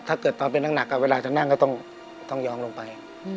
ถ้าเกิดตอนเป็นนักเวลาจะนั่งก็ต้องยอมลงไป